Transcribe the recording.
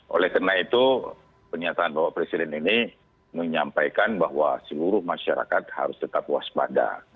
oleh karena itu pernyataan bapak presiden ini menyampaikan bahwa seluruh masyarakat harus tetap waspada